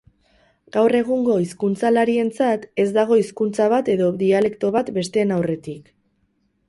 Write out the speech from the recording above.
Gaur egungo hizkuntzalarientzat ez dago hizkuntza bat edo dialekto bat besteen aurretik.